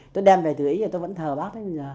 tôi đem về từ ý rồi tôi vẫn thờ bác